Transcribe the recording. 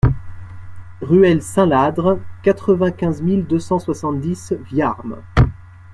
Ruelle Saint-Ladre, quatre-vingt-quinze mille deux cent soixante-dix Viarmes